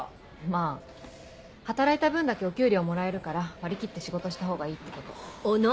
まぁ働いた分だけお給料もらえるから割り切って仕事したほうがいいってこと。